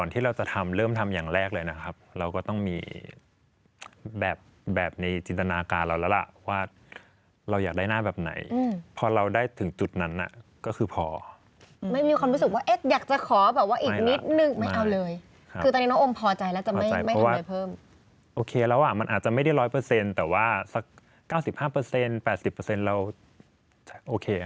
ที่เราจะทำเริ่มทำอย่างแรกเลยนะครับเราก็ต้องมีแบบในจินตนาการเราแล้วล่ะว่าเราอยากได้หน้าแบบไหนพอเราได้ถึงจุดนั้นน่ะก็คือพอไม่มีความรู้สึกว่าเอ๊ะอยากจะขอแบบว่าอีกนิดนึงไม่เอาเลยคือตอนนี้น้องโอมพอใจแล้วจะไม่ไม่เพิ่มโอเคแล้วอ่ะมันอาจจะไม่ได้ร้อยเปอร์เซ็นต์แต่ว่าสัก๙๕๘๐เราโอเค